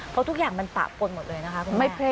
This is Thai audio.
เพราะทุกอย่างมันปะปนหมดเลยนะคะ